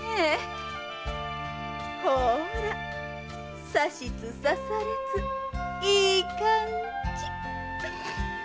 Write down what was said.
ほらさしつさされついい感じ！